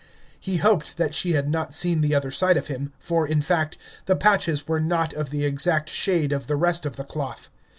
He hoped that she had not seen the other side of him, for, in fact, the patches were not of the exact shade of the rest of the cloth.